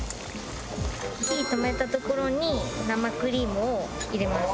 火止めたところに生クリームを入れます。